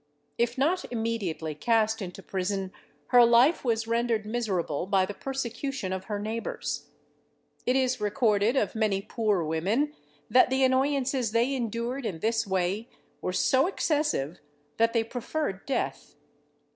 If not immediately cast into prison, her life was rendered miserable by the persecution of her neighbours. It is recorded of many poor women, that the annoyances they endured in this way were so excessive, that they preferred death.